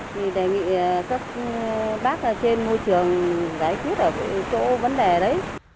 các bác trên môi trường giải quyết là